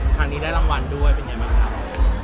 ครั้งนี้ได้รางวัลด้วยเป็นไงบ้างครับ